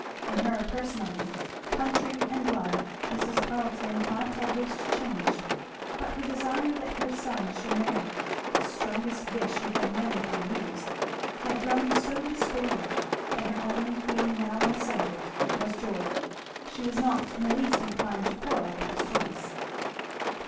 In her personally, country and blood Mrs. Carleton might have wished changed; but her desire that her son should marry, the strongest wish she had known for years, had grown so despairing that her only feeling now on the subject was joy; she was not in the least inclined to quarrel with his choice.